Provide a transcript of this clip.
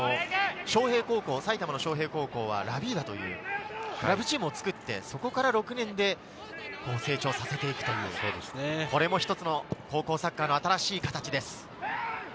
さらに昌平高校は、ラヴィーダというクラブチームを作って、そこから６年で成長させていくということで、これもひとつの高校サッカーの新しい形です。